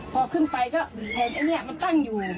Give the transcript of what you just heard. พอขึ้นไปก็เห็นอันนี้มันตั้งอยู่